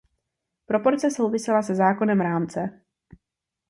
Proporce souvisela se zákonem „rámce“.